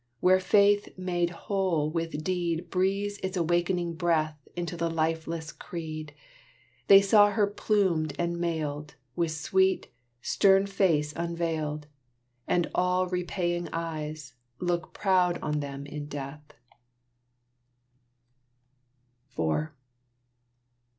Where faith made whole with deed Breathes its awakening breath Into the lifeless creed, They saw her plumed and mailed, With sweet, stern face unveiled, And all repaying eyes, look proud on them in death.